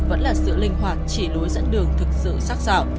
vẫn là sự linh hoạt chỉ lối dẫn đường thực sự sắc dạo